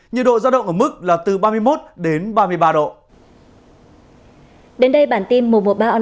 nhiệt độ giao động ở mức là từ ba mươi một đến ba mươi ba độ